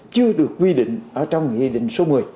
chưa được quy định ở trong nghị định số một mươi